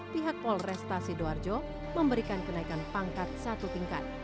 pihak polresta sidoarjo memberikan kenaikan pangkat satu tingkat